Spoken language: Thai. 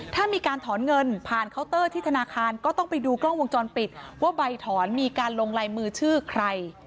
ถ้ามีการถอนเงินผ่านเคาน์เตอร์ที่ธนาคารก็ต้องไปดูกล้องวงจรปิดว่าใบถอนมีการลงลายมือชื่อใคร